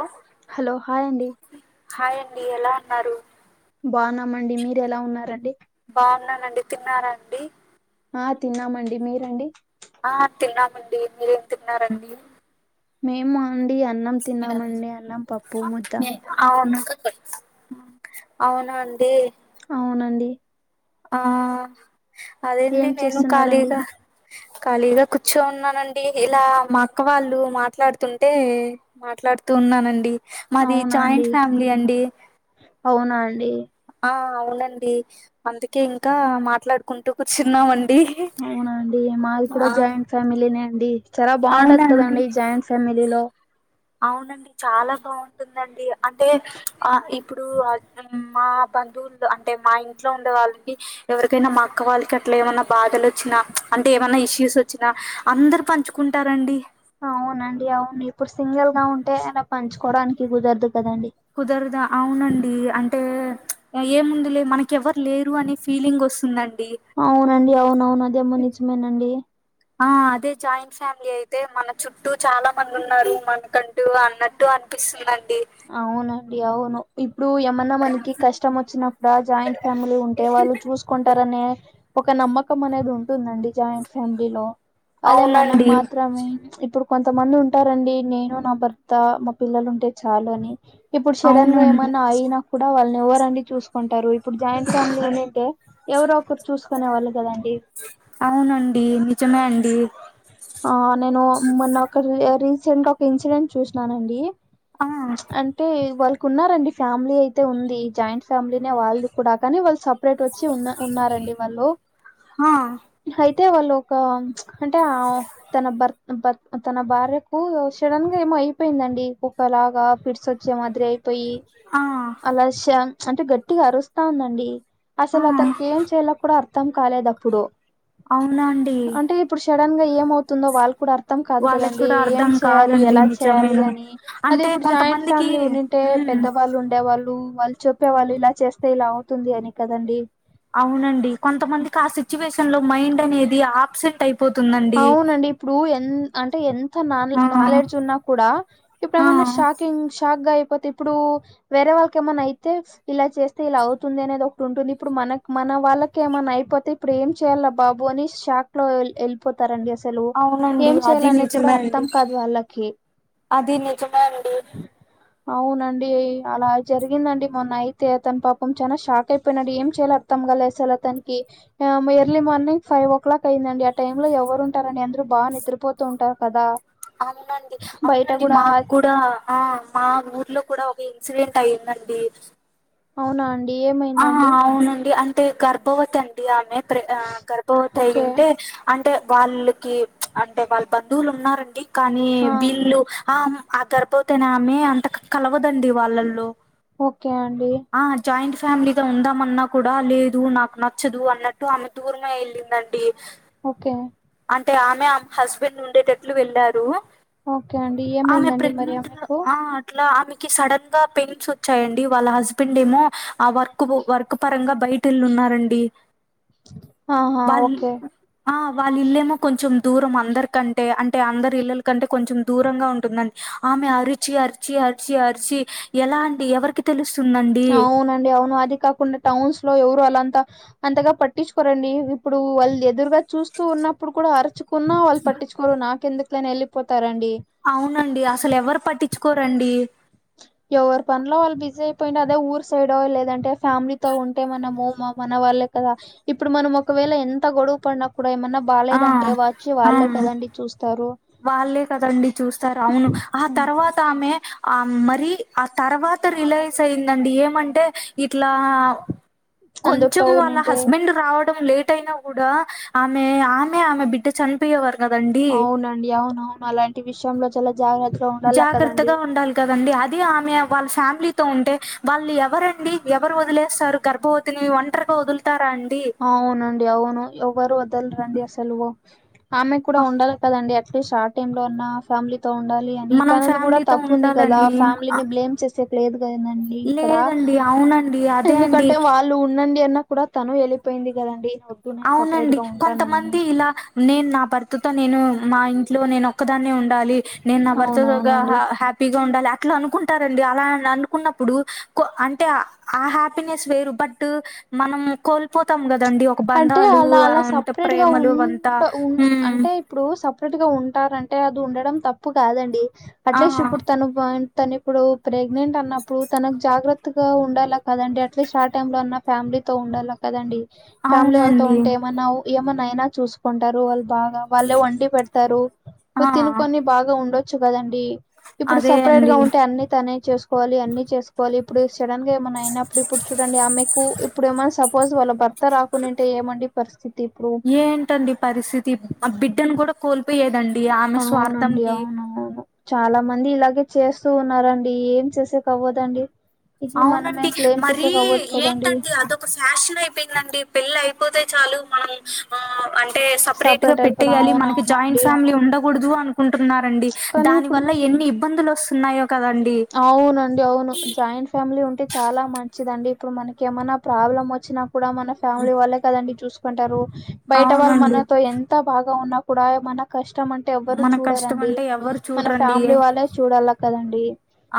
ఆ hello hi అండి hi అండి ఎలా ఉన్నారు బావున్నామండి మీరు ఎలా ఉన్నారండి బావున్నానండి తిన్నారా అండి ఆ తిన్నామండి మీరండి ఆ తిన్నామండి మీరేం తిన్నారండి మేమాండి అన్నం తిన్నామండి అన్నం పప్పు ముద్ద అవున అవునా అండి అవునండి ఆ అదేంటి ఏం నేను చేస్తున్నారండి ఖాళీగా ఖాళీగా కూర్చో ఉన్నానండి, ఇలా మా అక్క వాళ్ళు మాట్లాడుతుంటే మాట్లాడుతూ ఉన్నానండి మాది అవునాండి జాయింట్ ఫ్యామిలీ అండి అవునాండి ఆ అవునండి అందుకే ఇంకా మాట్లాడుకుంటూ కూర్చున్నామండి అవునా అండి మాది కూడా ఆ జాయింట్ ఫ్యామిలీనే అండి చాలా అవునా బావుంటది అండి కదండీ జాయింట్ ఫ్యామిలీలో అవునండి చాలా బావుంటుందండి అంటే ఆ ఇప్పుడు అ మా బంధువులులో అంటే మా ఇంట్లో ఉండే వాళ్ళకి ఎవరికైనా మా అక్క వాళ్లకట్లా ఏమన్నా బాధలొచ్చినా అంటే ఏవన్నా ఇష్యూస్ వచ్చినా అందరు పంచు కుంటారండి అవునండి అవును, ఇప్పుడు సింగల్ గా ఉంటే అలా పంచుకోవడానికి గుదర్దు కదండి కుదరద అవునండి అంటే ప్చ్ ఏముందిలే మనకెవ్వరు లేరు అని ఫీలింగ్ వస్తుందండి అవునండి అవును అవును అదేమో నిజమేనండి ఆ అదే జాయింట్ ఫ్యామిలీ అయితే మన చుట్టూ చాలా మంది ఉన్నారు మనకంటు టు అన్నట్టు అనిపిస్తుందండి అవునండి అవును ఇప్పుడు, ఏమన్నా మనకి కష్టం వచ్చినప్పుడ జాయింట్ ఫ్యామిలీ ఉంటే వాళ్లు చూసుకుంటారనే ఒక నమ్మకం అనేది ఉంటుందండి జాయింట్ ఫ్యామిలీలో అదే మనం అవునండి. మాత్రమే ఇప్పుడు కొంతమంది ఉంటారండి. నేను, నా భర్త, మా పిల్లలు ఉంటే చాలు అని ఇప్పుడు సెడన్ గా అవునండి. ఏమన్నా అయినా కూడా, వాళ్ళని ఎవరండి చూసుకుంటారు. ఇప్పుడు జాయింట్ ఫ్యామిలీ ఉన్నింటే, ఎవరో ఒకరు చూసుకునే వాళ్ళు గదండి. అవునండి, నిజమే అండి. ఆ నేను మొన్న ఒక రీసెంట్ గా ఒక ఇన్సిడెంట్ చూసినానండి ఆ అంటే వాళ్ళకు ఉన్నరండి ఫ్యామిలీ అయితే ఉంది జాయింట్ ఫ్యామిలీనే వాళ్ళది కూడా కానీ వాళ్ళు సపరేట్ వచ్చి ఉన్న ఉన్నారండి వాళ్ళు. ఆ అయితే వాళ్ళు ఒక అంటే అ తన బర్త్ బర్ తన భార్యకు సడన్ గా ఏమో అయిపోయిందండి ఒక్కలాగా ఫిట్స్ వచ్ చి ఓ మాదిరి అయిపోయి ఆ అలా శం అంటే గట్టిగా అరుస్తా ఉందండి. ఆ అసలు అతనికి ఏం చేయలో కూడా అర్థం కాలేదు అప్పుడు. అవునాండి అంటే ఇప్పుడు సడన్ గా ఏమవుతుందో వాళ్ళు కూడా అర్ ర్థం కాదు వాళ్ళకి కదండి కూడా ఏం అర్థం చేయాలి కాదండి ఎలా చేయాలి నిజమేను అని అదె అంటే ఇప్పుడు జాయింట్ కొంతమందికి ఫ్యామిలీ ఉండిం టే పెద్దవాళ్ళు ఉండేవాళ్ళు, వాళ్ళు చెప్పేవాళ్ళు ఇలా చేస్తే ఇలా అవుతుంది అని కదండి. అవునండి, కొంతమందికి ఆ సిచ్యువేషన్ లో మైండ్ అనేది ఆబ్సెంట్ అయి అవునండి ఇప్పుడు ఎన్ అంటే ఎన్ త నాల్ ఆ నాలెడ్జ్ ఉన్నా కూడా ఇప్పుడు ఆ ఏమన్నా షాకింగ్ షాక్ గా అయిపోతే ఇప్పుడు వేరే వాళ్ళకి ఏమన్నా అయితే ఇలా చేస్తే ఇలా అవుతుంది అనేది ఒకటి ఉంటుంది ఇప్పుడు మనక్ మన వాళ్ళకి ఏమన్నా అయిపోతే ఇపుడేం చేయల బాబూ అని షాక్ లో ఎల్ తారండి అసలు అవునండి ఏం అది చేయాలనిది కూడా నిజమే అండి అర్థం కాదు వాళ్ళకి అది నిజమే అండి అవునండి, అలా జరిగిందండి మొన్న అయితే అతను పాపం చాలా షాక్ అయిపోయినాడు ఏం చేయాల అర్దం కాలే అసలతనికి, early morning five o'clock అయిందండి ఆ టైమ్ లో ఎవరు ఉంటారండి అందరు బాగా నిద్రపోతూ ఉంటారు కదా అవునండి, బయట అవునండి కూడా ఆ- మాక్కుడా ఆ మా ఊర్లో కూడా ఒక ఇన్సిడెంట్ అయిందండి అవునాం హ ఆ అవునండి అంటే గర్భవతి అండి ఆమె ప్ర ఆ గర్భవతి అయి ఓకే ఉంటే అంటే వాళ్ళకి అంటే వాళ్ళు బంధువులు ఉన్నారండి కానీ ఆ వీళ్ళు ఆ ఆ గర్భవతయినామె అంత కలవదండి వాళ్ళల్లో ఓకే అండి ఆ జాయింట్ ఫ్ ఫ్యామిలీగా ఉందమన్నా కూడా లేదు నాకు నచ్చదు అన్నట్టు ఆమె దూరమే వెళ్ళిందండి ఓకే అంటే ఆమె ఆమె హస్బెండ్ ఉండేటట్లు వెళ్లారు ఓకే అండి ఆమె ఏమైందండి మరి ప్రెగ్నంటుగ ఆమెకు ఆ అట్ల ఆమెకి సడన్ గా పెయిన్స్ వచ్చాయండి, వాళ్ళ హస్బెండెమో ఆ వర్క్ వర్క్ పరంగా బయట వెళ్ళి ఉన్నారండి, ఆహా వాళ్ ఓకే ఆ వాళ్ళ ఇళ్లేమో కొంచెం దూరం అందరికంటే అంటే అందరి ఇల్లల కంటే కొంచెం దూరంగా ఉంటుందం ఆమె అరిచి అరిచి అరిచి అరిచి ఎలాండి ఎవరికి తెలుస్తుందండి అవునండి అవును అది కాకుండా టౌన్స్ లో ఎవరు అలాంత అంతగా పట్టించుకోరండి ఇప్పుడు వాళ్ళు ఎదురుగా చూస్తూ ఉన్నప్పుడు కూడ అరచు కున్నా వాళ్ళు పట్టించుకోరు నాకెందుకులే అని వెళ్ళిపోతారండి. అవునండి అసలు ఎవరు పట్టించుకోరండి ఎవరి పనిలో వాళ్ళు బిజీ అయిపోయినాదే అదే ఊరు సైడో లేదంటే ఫ్యామిలీతో ఉంటే మనము మా మన వాళ్ళే కదా ఇప్పుడు మనం ఒకవేళ ఎంత గొడువ పడిన కూడ ఏమన్నా ఆ బాలేదంటే వచ్చి ఆ వాళ్ళే కదండి చూస్తారు వాళ్ళే కదండి చూస్తారు అవును ఆ తర్వా తామె ఆ మరి ఆ తర్వాత రిలైజ్ అయిందండి ఏమంటే ఇట్లా కొంచెం అందరితో వాళ్ళ నింటే హస్బెండ్ రావడం లేట్ అయినా కూడా ఆమె ఆమె ఆమె బిడ్డ చనిపోయే వారు అవునండి అవునవును అలాంటి విషయంలో చాలా జాగ్రత్తగా ఉండాల కదండి జాగ్రత్తగా ఉండాలి కదండి అది ఆమె వాళ్ళ ఫ్యామిలీతో ఉంటే వాళ్ళు ఎవరండి ఎవరు వదిలేస్తారు గర్భవత్ తిని ఒంటరిగా వదులుతారా అండి అవునండి అవును ఎవ్వరు వద్దలరండి అసలు ఆమె కూడా ఉండాలి కదండి అట్లీస్ట్ ఆ టైం లో ఉన్న ఫ్యామిలీతో ఉండాలి కానీ మనం తనది కూడా ఫ్యామిలీతో తప్పు ఉంది కదా ఉండాలని ఫ్యామిలీని బ్లేమ్ చేసేకి లేదు కదండి ఇక్కడ లేదండి అవునండి అదే అండి ఎందుకంటే వాల్ ళ్ళు ఉండండి అన్నా కూడా తను వెళ్ళిపోయింది కదండి నేను సపరేట్ అవునండి గా ఉంటానని కొంతమంది ఇలా నేను నా భర్తతో నేను మా ఇంట్లో నేను ఒక్కదాన్నే ఉండాలి నేన్ నా భర్త తొగ హా అవునవునండి హ్యాప్ పిగా ఉండాలి అట్లా అనుకుంటారండి అలా అనుకున్నప్పుడు అంటే ఆ హాప్ పినెస్ వేరు బట్ మనం కోల్పోతాం కదండి ఓ అంటే బంధాలు అలా అలా అవంత సపరేట్ గా ప్రేమలు ఉండ ఉ వంతహు అంటే ఇప్పుడు సపరేట్ గా ఉంటారంటే అది ఉండడం తప్పు కాదండి ఆ అట్లీస్ట్ ఇప్పుడు తను బా తను ఇప్పుడు ప్రెగ్నెంట్ అన్నప్పుడు తనకు జాగ్రత్తగా ఉండాల కదండి అట్లీస్ట్ ఆ టైం లో అన్న ఫ్యామిలీతో ఉండాల కదండి ఫ్యామిలీ వాళ్ళతో అవునండి ఉంటే ఏమన్నావు ఏమనైనా చూసుకుంటారు వాళ్ళు బాగా వాళ్ళే వంటి పెడతారు ఆ తినుకొని బాగా ఉండొచ్చు కదండి ఇప్పుడు అదే సపరేట్ అండి గా ఉంటే అన్ని తనే చేసు కోవాలి అన్ని చేసుకోవాలి ఇప్పుడు సడన్గామన్నా అయినప్పుడు ఇప్పుడు చూడండి ఆమెకు ఇప్పుడు ఏమైన్నా సపోజ్ వాళ్ళ భర్త రా కున్నింటే ఏమండి పరిస్థితి ఇప్పుడు ట్టండి పరిస్థితి ఆ బిడ్డను కూడా కోల్పోయేదండి ఆమె స్వార్థం అవునండి కీ అవునవును చాలా మంది ఇలాగే చేస్తూ ఉన్నారండి ఏం చేసే కవ్వదండి ఇది అవునండి మనమేం బ్లేమ్ చేసేకవ్వద్దు కదండి ఒక ఫ్యాషన్ అయిపోయిందండి పెళ్లి అయిపోతే చాలు మనం ఆ అంటే సపరేట్ గా అయిపోదాం పెట్టేయాలి మనకి జాయింట్ అవునవునండి ఫ్యామిలీ అవును ఉండ కుడదు అనుకుంటున్నారండి కానీ దాని ఇప్పుడు వల్ల ఎన్ని ఇబ్బందులు వస్తున్నాయో కదండి అవునండి అవును జాయిం ఫ్యామిలీ ఉంటే చాలా మంచిదండి ఇప్పుడు మనకి ఏమైనా ప్రాబ్లమ్ వచ్చినా కూడా మన ఫ్యామిలీ వాళ్ళే కదండి చూసుకుంటారు బయట వాళ్ళు అవునండి మనతో ఎం త బాగా ఉన్నా కూడా మన కష్టం అంటే ఎవ్వరు మన కష్టం చూడరండి అంటే ఎవరు మన చూడరండి ఫ్యామిలీ వాళ్ళే చూడాలా కదండి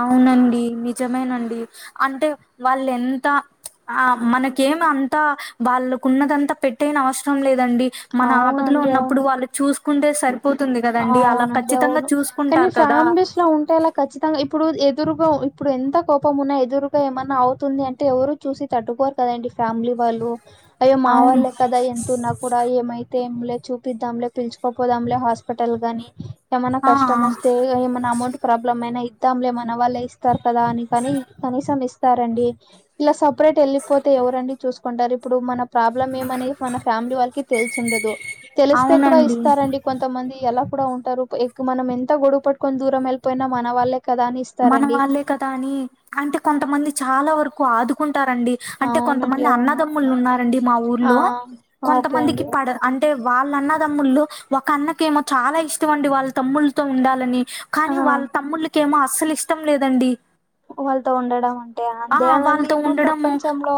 అవునండి నిజమేనండి అంటే వాళ్ళెంత ఆ మనకేమి అంతా వాళ్ళకున్నదంతా పెట్టేనవసరం లేదండి మన ఆపదలో అవునండి ఉన్నప్పుడు అవును వాళ్ళు చూసుకుంటే సరి అవునండి అవును కానీ చూసుకుంటారు కదా ఫ్యామిలీస్ లో ఉంటేలా ఖచ్చితంగా ఇప్పుడు ఎదురుగా ఇప్పుడు ఎంత కోపం ఉన్నా ఎదురుగా ఏమన్నా అవుతుంది అంటే ఎవరు చూసి తట్టుకోరు కదండి ఫ్యామిలీ వాళ్ళు అయ్యో మా అవును వాళ్ళే కదా ఎంతో నాకు కూడా ఏమైతే ఏంలే చూపిద్దాంలే పిలుచుకోపోదాంలే హాస్పిటల్ గాని ఏమైనా ఆ కష్టం వస్తే ఏమన్నా అమౌంట్ ప్రాబ్లమ్ అయినా ఇద్దాం లే మనవాళ్ళ ఇస్తా తారు కదా అందుకనినీ కనీసం ఇస్తారండి ఇలా సపరేట్ వెళ్ళిపోతే ఎవరండి చూసు కుంటారు ఇప్పుడు మన ప్రాబ్లమ్ ఏమనేది మన ఫ్యామిలీ వాళ్ళకి తెలిసుండదు తెలిస్తే కూడా అవునండి ఇస్తారండి కొంతమంది ఎలా కూడా ఉంటారు మనం ఎంత గొడవ పెట్టుకొని దూరం వెళ్ళిపోయినా మన వాళ్ళే కదా అనేసి మన వాళ్ళే కదా అని అంటే కొంతమంది చాలా వరకు ఆదు కుంటారండి అంటే అవునండి కొంతమంది అవును అన్నదమ్ములు ఉన్నారండి మా ఆ ఊర్లో ఓకే కొంతమందికి అండి పడ అం అంటే వాళ్ళ అన్న దమ్ముళ్ళు ఒక అన్నకేమో చాలా ఇష్టం అండి వాళ్ళ తమ్ముళ్ళతో ఉండాలని కానీ ఆ వాళ్ళ తమ్ముళ్ళకేమో అస్సలు ఇష్టం లేదండి వాళ్ళతో ఉండడం అంటే ఆ అంతేనండి వాళ్ళతో ఇప్పుడు ఉండడము ప్రపంచంలో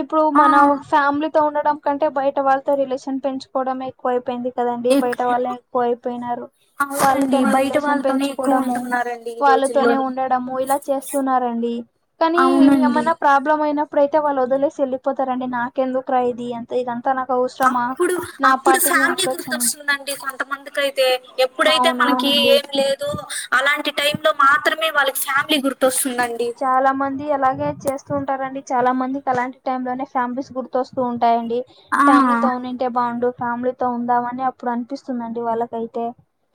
ఇప్పుడు ఆ మన ఫ్యామిలీతో ఉండడం కంటే బయట వాళ్ళతో రిలేషన్ పెంచుకోడమే ఎకువ అయిపోయింది కదండి ఎక్ బయట వాళ్ళే ఎక్కువ అయిపోయినారు అవునండి వాళ్ళతోనే బయట రిలేషన్ వాళ్ళతోనే ఎక్కువ పెంచుకోవడము ఉంటున్నారండి ఈ వాళ్ళతోనే రోజుల్లోని ఉండడము ఇలా చేస్తున్నారండి కానీ ఇగ అవునండి మనం ప్రాబ్లం అయినప్పుడు అయితే వాళ్ళు వదిలేసి వెళ్ళిపోతారండి నాకెందుకు రా ఇది అని అప్పుడు అప్పుడు పాటికి నేను ఫ్యామిలీ ఉండొచ్చని గుర్తొస్తుందండి కొంతమందికి అయి తే ఎప్పుడైతే మనకి అవునవునండి ఏం లేదు అలాంటి టైమ్ లో మాత్రమే వాళ్ళకి ఫ్యామిలీ గుర్తొస్తుంది చాలా మంది ఇది అలాగే చేస్తూ ఉంటారండి చాలా మందికి అలాంటి టైమ్ లోనే ఫ్యామిలీస్ గుర్తొస్తూ ఉంటాయండి ఆ ఫ్యామిలీతో ఉంటే బాగుండు ఫ్యామిలీతో ఉందామని అప్పుడు అనిపిస్తుందండి వాళ్ళకైతే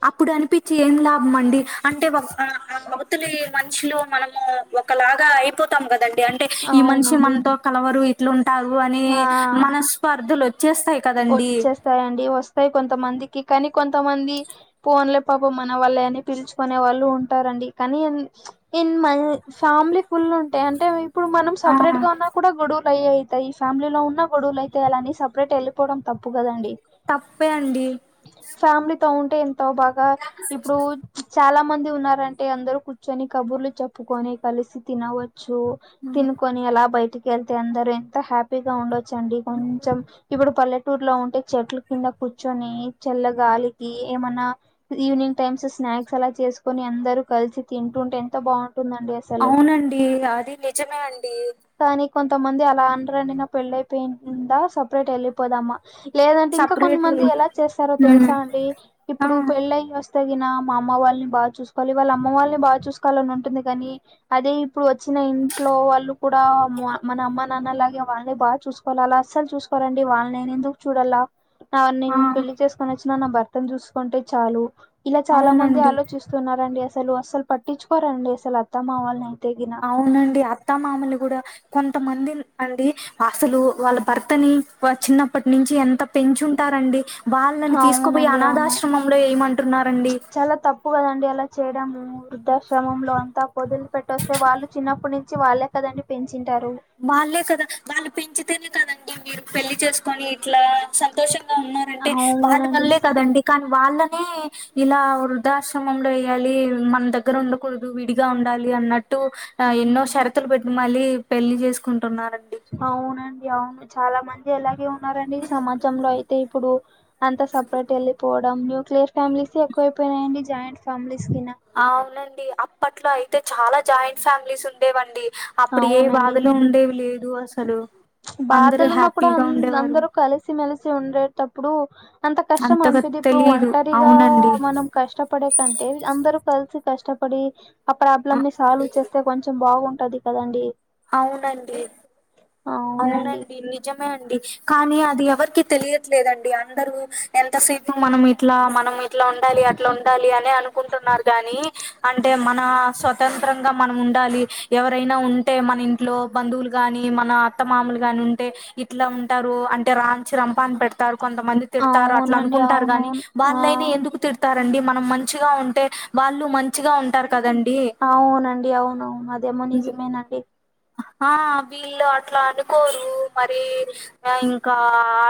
అప్పుడు అనిపించి ఏం లాభం అండి అంటే ఒకసారి వ్యక్తులు మనుషులు మనము ఒకలాగా అయిపోతాం కదండి అంటే ఈ మనిషి అవునండి మనతో కలవరు ఇట్లుంటారు అని ఆ మన స్పర్ధలు వచ్చేస్తాయి కదండి వచ్చేస్తాయండి వస్తాయి కొంతమందికి కానీ కొంతమంది పోన్లే పాపం మన వాళ్ళే అని పిలుచుకునే వాళ్ళు ఉంటారండి కానీ ఇన్ మ ఫ్యామిలీ ఫుల్ ఉంటాయి అంటే ఇప్పుడు మనం ఆ సపరేట్ గా ఉన్న కూడా గొడువలు అయే అయితాయి ఫ్యామిలీలో ఉన్న గొడువలు అయితాయి అలాని సపరేట్ వెళ్ళిపోవడం తప్పు కదండి తప్పే అండి ఫ్యామిలీతో ఉంటే ఎంతో బాగా ఇప్పుడు చాలా మంది ఉన్నారంటే అందరు కూర్చొని కబుర్లు చెప్పుకొని కలిసి తినవచ్చు తినుకొని ఎలా బయటికి వెళ్తే అందరు ఎంత హ్యాపీగా ఉండచ్ చండి కొంచెం ఇప్పుడు పల్లెటూరులో ఉంటే చెట్ల కింద కూర్చొని చల్లగాలికి ఏమన్నా ఈవినింగ్ టైమ్స్ స్నాక్స్ అలా చేసుకుని అందరు కలిసి తింటుంటే ఎంత బాగుంటుందండి అసలు అవునండి అది నిజమే అండి కానీ కొంతమంది అలా అనరండి నా పెళ్ళయిపోయింద సపరేట్ వెళ్ళిపోదమా లేదంటే ఇంకా సపరేట్ కొంతమంది ఎలా చేస్తారో ఉమ్ తెలుసా అండి ఇప్పుడు ఆ పెళ్ళయి వస్ తగిన మా అమ్మ వాళ్ళని బా చూసుకోవాలి వాళ్ళ అమ్మ వాళ్ళని బా చూసుకోవాలని ఉంటుంది గానీ అదే ఇప్పుడు వచ్చిన ఇంట్లో వాళ్ళు కూడా మన అమ్మ న్న అలాగే వాళ్ళని బా చూసుకోవాల అలా అస్సలు చూసుకోవాలండి వాళ్ళని నేను ఎందుకు చూడాలా నా ఆ నేను పెళ్లి చేసుకొని వచ్చినా నా భర్తను చూసుకుంటే చాలు ఇలా చాలా మంది అవునండి ఆలోచిస్ స్తున్నరండి అసలు, అస్సలు పట్టిచ్చుకోరండి అసలు అత్త మామల్నీ అయితే గిన అవునండి అత్త మామలు గూడా కొంతమంది అండి అసలు వాళ్ళ భర్తని చిన్నప్పటి వ నుంచి ఎంత పెంచుంటారండి వాళ్ళని తీసుకుపోయి అవునండి అవును అనాథాశ్రమంలో ఏయమంటున్నారండి ప్పు కదండి అలా చేయడము, వృద్ధాశ్రమంలో అంతా పొదిలి పెట్టొస్తే వాళ్ళు చిన్నప్పటి నుంచి వాళ్ళే కదండి పెంచింటారు వాళ్ళే కదా వాళ్ళు పెంచితేనే కదండి మీరు పెళ్లి చేసుకొని ఇట్లా సంతోషంగా ఉన్నారంటే వాళ్ళ అవునండి వల్లే కదండి కనీ వాళ్ళనే ఇలా వృద్ధాశ్రమంలో ఎయ్యాలి మన దగ్గర ఉండకూడదు విడిగా ఉండాలి అన్నట్టు ఎన్నో షరతులు పెట్టి మలీ పెళ్లి చేసుకుంటున్నారండి అవునండి అవును చాలా మంది అలాగే ఉన్నారండి సమాజంలో అయితే ఇప్పుడు అంత సపరేట్ ఎళ్లిపోవడం న్యూక్లియర్ ఫ్యామిలీసే ఎక్కువైపోయినయండి జాయింట్ ఫ్యామిలీస్ గిన అవునండి అప్పట్లో అయితే చాలా జాయింట్ ఫ్యామిలీస్ ఉండేవండి అప్పుడు ఏ అవునండి బాధలు ఉండేవి లేదు అసలు, అందరు బాధలున్నా కూడా హ్యాపీగా అం ఉండేవారు అందరూ కలిసిమెలిసి ఉండేటప్పుడు అంత కష్టం అంతగా అనిపిదిప్పుడు తెలీదు ఒంటరిగా అవునండి. మనం కష్టపడే కంటే అందరూ కలిసి కష్టపడి ఆ అ ప్రాబ్లమ్ ని సాల్వ్ చేస్తే కొంచెం బాగుంటది కదండి అవునండి అవునండి నిజమే అండి కానీ అది ఎవరికి తెలియట్లేదండి అందరూ ఎంతసేపు మనం ఇట్లా మనం ఇ ట్లా ఉండాలి అట్లా ఉండాలి అనే అనుకుంటున్నారు గాని అంటే మన స్వతంత్రంగా మనం ఉండాలి ఎవరైనా ఉంటే మన ఇంట్లో బంధువులు గాని మనాత్ త్త మామూలుగానీ ఉంటే ఇట్ల ఉంటారు అంటే రాంచి రంపాన పెడతారు కొంతమంది తిడతారు అట్ల అవునండి అనుకుంటారు గాని అవునవును ఆ వాళ్ళైనా ఎందుకు తిడ్ తారండి మనం మంచిగా ఉంటే వాళ్ళు మంచిగా ఉంటారు కదండి అవునండి అవునవును అదేమో నిజమేనండి ఆ వీళ్ళు అట్లా అనుకోరు మరి ఇంకా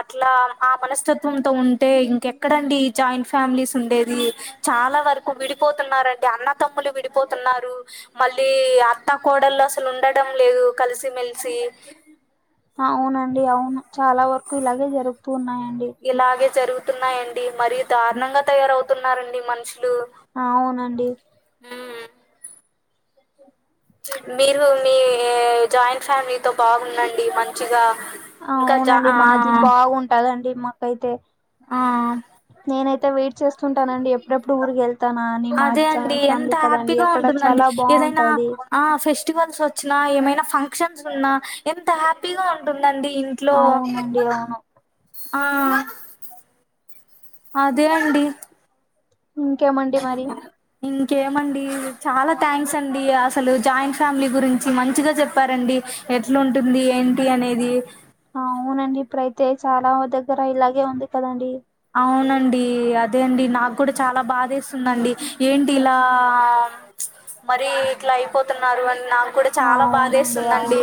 అట్లా ఆ మనస్తత్వంతో ఉంటే ఇంకెక్కడండి జాయింట్ ఫ్యామిలీస్ ఉండేది చాలా వరకు విడిపోతున్నారండి అన్న తమ్ములు విడిపోతున్నారు మళ్ళీ అత్తా కోడళ్లు అసలు ఉండటం లేదు కలిసిమెలిసి అవునండి అవును చాలా వరకు ఇలాగే జరుగుతూన్నాయండి ఇలాగే జరుగుతున్నాయండి మరీ దారుణంగా తయారవుతున్నారండి మనుషులు అవునండి ఉమ్, మీరు మీ జాయింట్ ఫ్యామిలీతో బాగుందండి మంచిగా ఇంకా జా అవునండి ఆ మాది బాగుంటదండి మాకైతే ఆ నేనైతే వెయిట్ చేస్తుంటానండి ఎప్ ప్పుడెప్పుడు ఊరికెళ్తనా అని అదే మాది అండి జాయింట్ ఎంత ఫ్యామిలీ కదండి హ్యాపీగా అక్కడ ఉంటుందండి. చాలా ఏదైనా బావుంటది ఆ ఫెస్టివల్స్ వచ్చినా ఏమైనా ఫంక్షన్స్ ఉన్నా ఎంత హ్యాపీగా ఉంటుందండి ఇన్ ట్లో అవునండి అవును ఆ అదే అండి ఇంకే మండి మరి ఇంకేమండి చాలా థ్యాంక్స్ అండి అసలు జాయింట్ ఫ్యామిలీ గురించి మంచిగా చెప్పారండి ఎట్లుంటుంది ఏంటి అనేది అవునండి ఇప్పుడైతే చాలా దగ్గర ఇలాగే ఉంది కదండి అవునండి అదే అండి నాకు కూడా చాలా బాధేస్తుందండి ఏంటి ఇలా మరి ఇట్లా అయిపోతున్నారు అని నాకు కూడా చాలా అవునండి బాధేస్తుందండి అవును